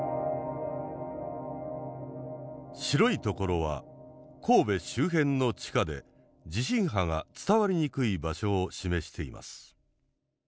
白い所は神戸周辺の地下で地震波が伝わりにくい場所を示しています。